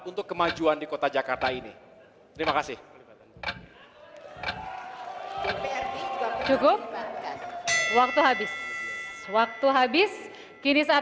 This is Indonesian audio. untuk kemajuan di kota jakarta ini